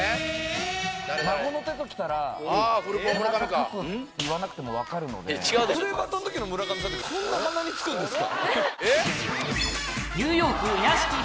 孫の手ときたら「背中かく」って言わなくても分かるので「プレバト！！」の時の村上さんってこんな鼻につくんですか？